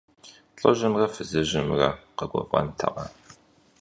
ЛӀыжьымрэ фызыжьымрэ къэгуфӀэнтэкъэ?